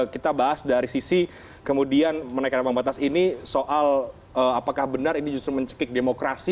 kita bahas dari sisi kemudian menaikkan ambang batas ini soal apakah benar ini justru mencekik demokrasi